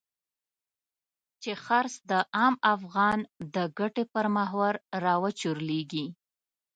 چې څرخ د عام افغان د ګټې پر محور را وچورليږي.